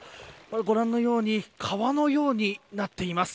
ご覧のように川のようになっています。